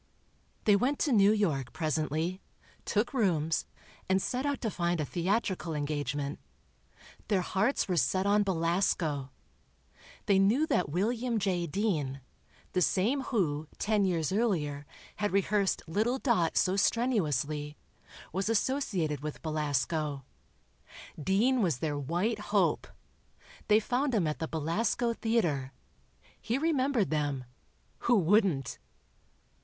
They went to New York, presently, took rooms and set out to find a theatrical engagement. Their hearts were set on Belasco. They knew that William J. Dean—the same who, ten years earlier, had rehearsed little Dot so strenuously—was associated with Belasco. Dean was their white hope. They found him at the Belasco Theatre. He remembered them ... who wouldn't?